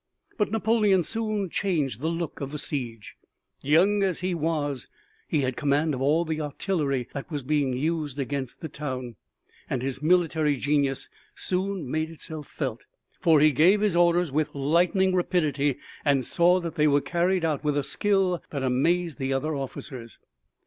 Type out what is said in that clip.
But Napoleon soon changed the look of the siege. Young as he was he had command of all the artillery that was being used against the town, and his military genius soon made itself felt, for he gave his orders with lightning rapidity and saw that they were carried out with a skill that amazed the other officers.